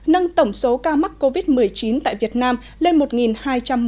nâng tổng số ca mắc covid một mươi chín tại việt nam lên một hai trăm một mươi ca